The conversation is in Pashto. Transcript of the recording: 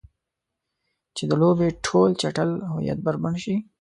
چې د لوبې ټول چټل هویت بربنډ شي.